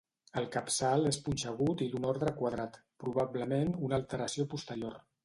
El capçal és punxegut i d'un ordre quadrat, probablement una alteració posterior.